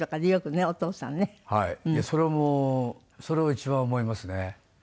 それを一番思いますね。